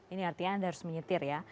ini artinya anda harus menyetir ya